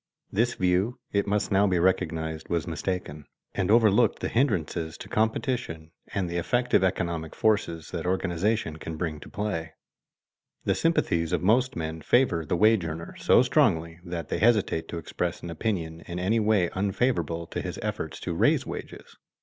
This view, it must now be recognized, was mistaken, and overlooked the hindrances to competition and the effective economic forces that organization can bring into play. The sympathies of most men favor the wage earner so strongly that they hesitate to express an opinion in any way unfavorable to his efforts to raise wages.